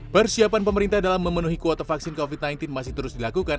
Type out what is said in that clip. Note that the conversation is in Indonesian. persiapan pemerintah dalam memenuhi kuota vaksin covid sembilan belas masih terus dilakukan